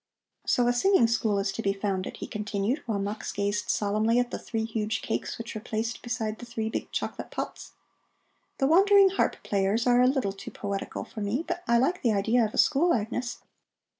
So a singing school is to be founded," he continued, while Mux gazed solemnly at the three huge cakes which were placed beside the three big chocolate pots. "The wandering harp players are a little too poetical for me, but I like the idea of a school, Agnes.